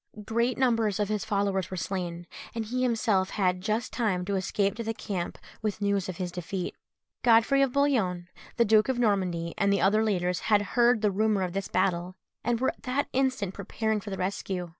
Great numbers of his followers were slain, and he himself had just time to escape to the camp with the news of his defeat. Godfrey of Bouillon, the Duke of Normandy, and the other leaders had heard the rumour of this battle, and were at that instant preparing for the rescue.